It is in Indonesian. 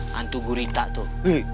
hantu gurita tuh